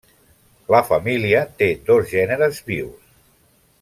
La família té dos gèneres vius.